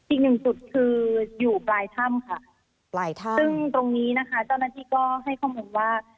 อีกหนึ่งจุดคืออยู่ปลายถ้ำค่ะปลายถ้ำซึ่งตรงนี้นะคะเจ้าหน้าที่ก็ให้ข้อมูลว่า